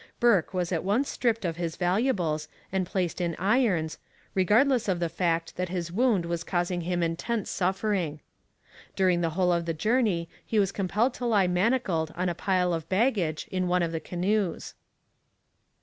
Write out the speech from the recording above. Bourke was at once stripped of his valuables and placed in irons, regardless of the fact that his wound was causing him intense suffering. During the whole of the journey he was compelled to lie manacled on a pile of baggage in one of the canoes.